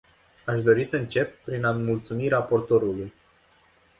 Aș dori să încep prin a mulțumi raportorului.